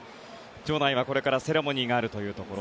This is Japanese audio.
場内はこれからセレモニーがあるというところ。